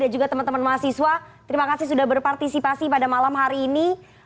dan juga teman teman mahasiswa terima kasih sudah berpartisipasi pada malam hari ini